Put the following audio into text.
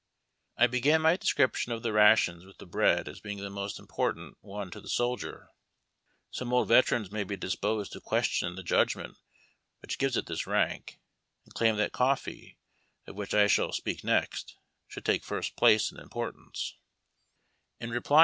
I began my description of the rations with the bread as being the most important one to the soldier. Some old veterans may be disposed to question the judgment which gives it this rardc, and claim that coffee, of which I shall speak next, should take first place in importance; in reply 122 HABIJ TACK AND COFFEE.